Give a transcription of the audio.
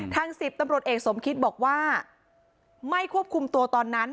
ทางสิทธิ์ตำรวจเอกสมคิดบอกว่าไม่ควบคุมตัวตอนนั้น